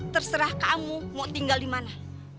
terserah kamu mau tinggal dimana